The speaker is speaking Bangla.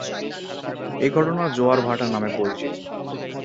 এই ঘটনা জোয়ার-ভাটা নামে পরিচিত।